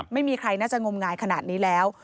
ไม่มีใครน่าจะงมงายขนาดนี้แล้ว